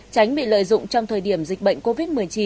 tránh bị lợi dụng trong thời điểm dịch bệnh covid một mươi chín